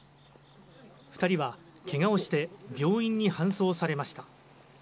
２人はけがをして病院に搬送されました。